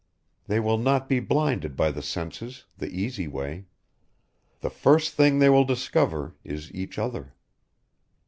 They will not be blinded by the senses the easy way. The first thing they will discover is each other.